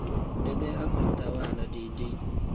Dedee akontaa waala deyi-deyi.